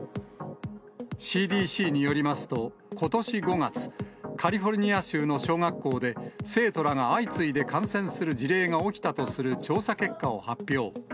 ＣＤＣによりますと、ことし５月、カリフォルニア州の小学校で、生徒らが相次いで感染する事例が起きたとする調査結果を発表。